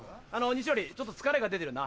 西堀ちょっと疲れが出てるな。